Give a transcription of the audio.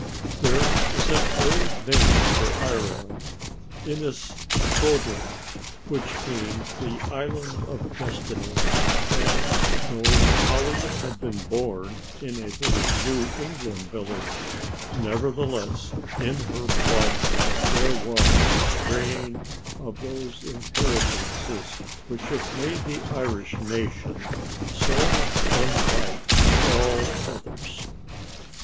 There is an old name for Ireland, Innis Fodhla, which means the Island of Destiny, and though Polly had been born in a little New England village, nevertheless, in her blood there was a strain of those inheritances which have made the Irish nation so unlike all others.